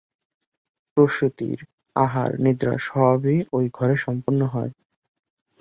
প্রসূতির আহার-নিদ্রা সবই ওই ঘরে সম্পন্ন হয়।